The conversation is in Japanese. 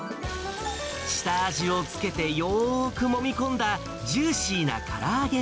下味をつけてよーくもみ込んだジューシーなから揚げ